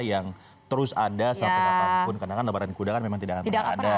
yang terus ada sampai kapanpun karena kan lebaran kuda kan memang tidak akan pernah ada